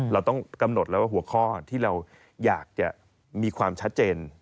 เราต้องกำหนดแล้วว่าหัวข้อที่เราอยากจะมีความชัดเจน